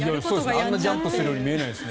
あんなジャンプをするように見えないですね。